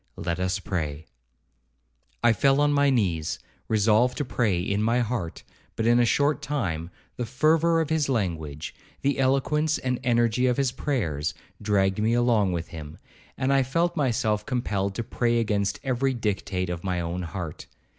—Let us pray.' I fell on my knees, resolved to pray in my heart; but in a short time, the fervour of his language, the eloquence and energy of his prayers, dragged me along with him, and I felt myself compelled to pray against every dictate of my own heart.